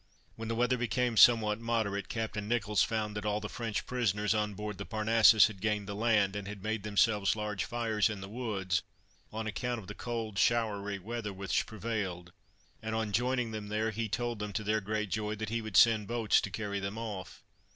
When the weather became somewhat moderate, Captain Nicholls, found that all the French prisoners on board the Parnassus, had gained the land, and had made themselves large fires in the woods, on account of the cold showery weather which prevailed; and, on joining them there, he told them, to their great joy, that he would send boats to carry them off.